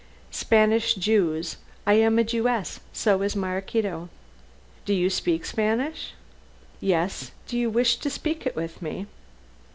"Spanish Jews. I am a Jewess, so is Maraquito." "Do you speak Spanish?" "Yes. Do you wish to speak it with me?"